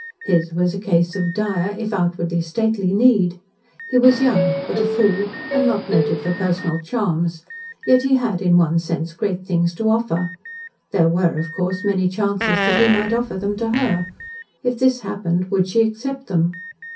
His was a case of dire, if outwardly stately, need. He was young, but a fool, and not noted for personal charms, yet he had, in one sense, great things to offer. There were, of course, many chances that he might offer them to her. If this happened, would she accept them?